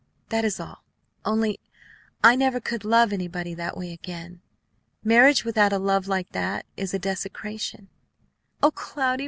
That is all; only I never could love anybody that way again. Marriage without a love like that is a desecration." "O Cloudy!